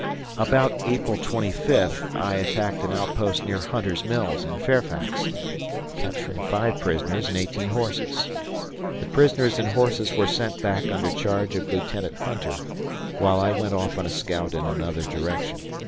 About April 25 I attacked an outpost near Hunter's Mills, in Fairfax, capturing 5 prisoners and 18 horses. The prisoners and horses were sent back under charge of Lieutenant Hunter, while I went off on a scout in another direction.